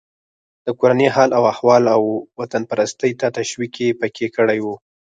د کورني حال و احوال او وطنپرستۍ ته تشویق یې پکې کړی و.